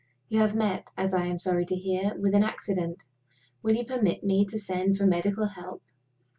You have met, as I am sorry to hear, with an accident. Will you permit me to send for medical help?